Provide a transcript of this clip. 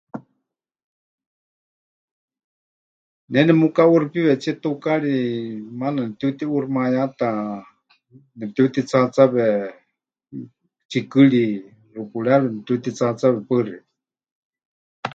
Ne nemukaʼuuxípiwetsie tukaarikɨ maana nepɨtiutiʼuuximayáta, nepɨtiutitsaatsawe tsikɨri, xupureeru nepɨtiutitsaatsawe. Paɨ xeikɨ́a.